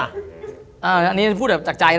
อันนี้พูดแบบจากใจนะ